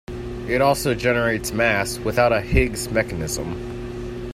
It also generates mass without a Higgs mechanism.